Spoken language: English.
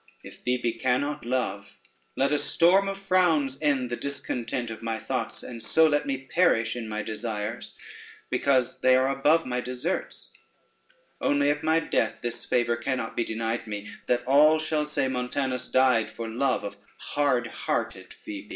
if Phoebe cannot love, let a storm of frowns end the discontent of my thoughts, and so let me perish in my desires, because they are above my deserts: only at my death this favor cannot be denied me, that all shall say Montanus died for love of hard hearted Phoebe."